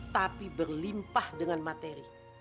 tapi berlimpah dengan materi